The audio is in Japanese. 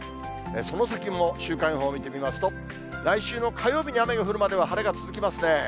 その先も週間予報見てみますと、来週の火曜日に雨が降るまでは晴れが続きますね。